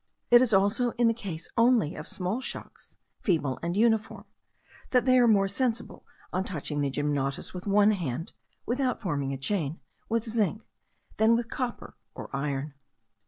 It is also in the case only of small shocks, feeble and uniform, that they are more sensible on touching the gymnotus with one hand (without forming a chain) with zinc, than with copper or iron.